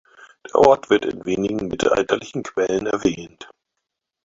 Der Ort wird in wenigen mittelalterlichen Quellen erwähnt.